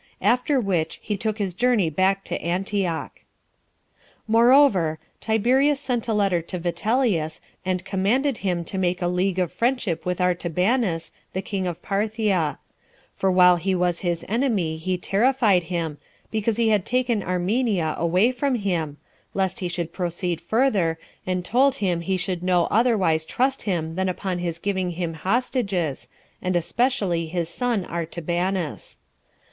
After which, he took his journey back to Antioch. 4. Moreover, Tiberius sent a letter to Vitellius, and commanded him to make a league of friendship with Artabanus, the king of Parthia; for while he was his enemy, he terrified him, because he had taken Armenia away from him, lest he should proceed further, and told him he should no otherwise trust him than upon his giving him hostages, and especially his son Artabanus.